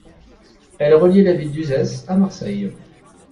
Elle reliait la ville d'Uzès à Marseille.